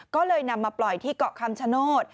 ก็เลยนำมาปล่อยที่เกาะคำชโนธ